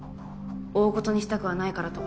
大ごとにしたくはないからと。